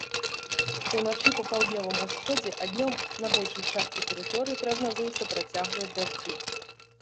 Уначы па паўднёвым усходзе, а днём на большай частцы тэрыторыі прагназуюцца працяглыя дажджы.